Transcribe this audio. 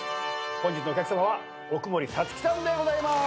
本日のお客さまは奥森皐月さんでございます。